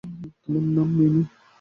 তোমার নাম মিমি?